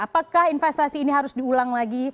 apakah investasi ini harus diulang lagi